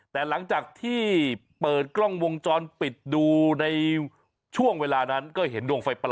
แต่หลังจากที่เปิดกล้องวงจรปิดดูในช่วงเวลานั้น